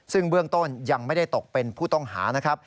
ซึ่งเบื้องต้นยังไม่ได้ตกเป็นผู้ต้องหานะครับ